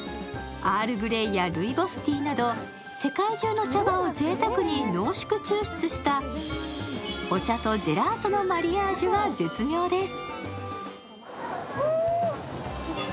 アールグレイやルイボスティーなど世界中の茶葉をぜいたくに濃縮抽出したお茶とジェラートのマリアージュは絶妙です。